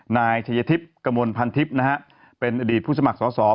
นายชัยธิบกมลพันธิบเป็นอดีตผู้สมัครสอบ